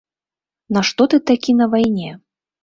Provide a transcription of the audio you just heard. На што ты такі на вайне?